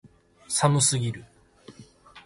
寒すぎる